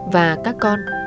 và các con